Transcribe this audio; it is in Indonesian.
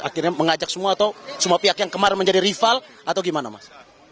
akhirnya mengajak semua atau semua pihak yang kemarin menjadi rival atau gimana mas